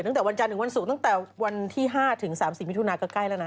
ตั้งแต่วันจันทร์ถึงวันศุกร์ตั้งแต่วันที่๕ถึง๓๐มิถุนาก็ใกล้แล้วนะ